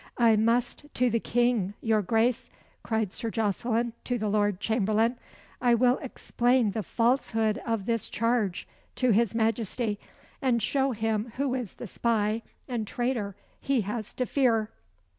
"I must to the King, your Grace," cried Sir Jocelyn to the Lord Chamberlain. "I will explain the falsehood of this charge to his Majesty, and show him who is the spy and traitor he has to fear."